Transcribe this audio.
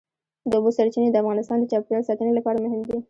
د اوبو سرچینې د افغانستان د چاپیریال ساتنې لپاره مهم دي.